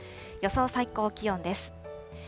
予想最高気温です。